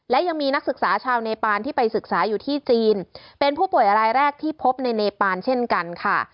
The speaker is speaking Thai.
และยังมีนักศึกษาชาวเนปานที่ไปศึกษาอยู่ที่จีนเป็นผู้ป่วยรายแรกที่พบในเนปานเช่นกันค่ะ